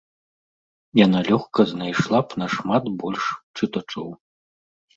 Яна лёгка знайшла б нашмат больш чытачоў.